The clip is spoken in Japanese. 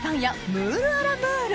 ムールア・ラムール